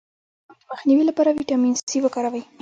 د زکام د مخنیوي لپاره ویټامین سي وکاروئ